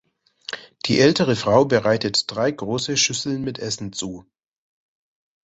Die ältere Frau bereitet drei große Schüsseln mit Essen zu.